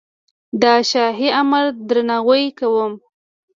د شاهي امر درناوی کوم.